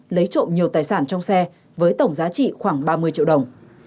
lấy trộm nhiều tài sản trong xe với tổng giá trị khoảng ba mươi triệu đồng